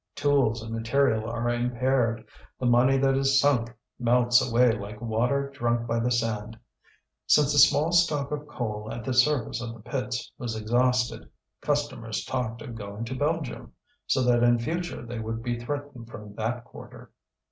Tools and material are impaired, the money that is sunk melts away like water drunk by the sand. Since the small stock of coal at the surface of the pits was exhausted, customers talked of going to Belgium, so that in future they would be threatened from that quarter.